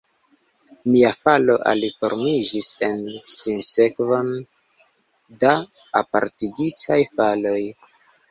Mia falo aliformiĝis en sinsekvon da apartigitaj faloj.